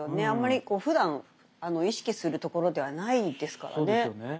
あんまりふだん意識するところではないですからね。